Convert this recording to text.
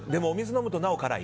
飲むとなお辛い？